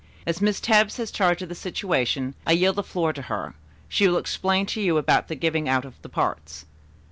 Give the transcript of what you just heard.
As Miss Tebbs has charge of the situation, I yield the floor to her. She will explain to you about the giving out of the parts."